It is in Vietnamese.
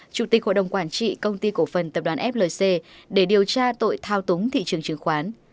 chủ tịch hội đồng quản trị công ty cổ phần tập đoàn flc để điều tra tội thao túng thị trường chứng khoán